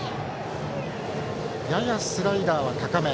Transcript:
ややスライダーは高め。